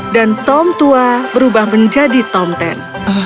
dan tom tua berubah menjadi tomten